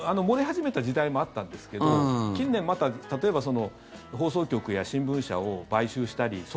漏れ始めた時代もあったんですけど近年また、例えば放送局や新聞社を買収したり